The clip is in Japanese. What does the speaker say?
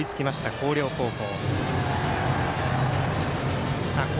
広陵高校。